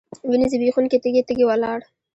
وینې ځبېښونکي تږي، تږي ولاړ